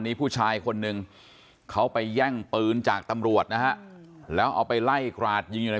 นี่ผู้ชายคนนึงเขาไปแย่งปืนจากน่ะฮะแล้วเอาไปไล่กราดยิงอยู่ใน